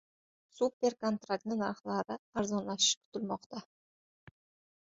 Super-kontrakt narxlari arzonlashishi kutilmoqda